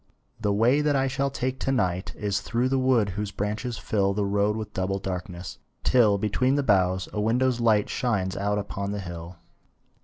The way that I shall take to night Is through the wood whose branches fill The road with double darkness, till, Between the boughs, a window's light Shines out upon the hill.